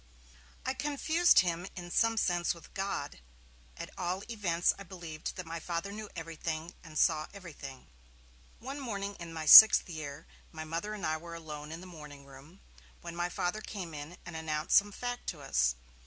I confused him in some sense with God; at all events I believed that my Father knew everything and saw everything. One morning in my sixth year, my Mother and I were alone in the morning room, when my Father came in and announced some fact to us.